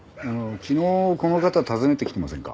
昨日この方訪ねてきてませんか？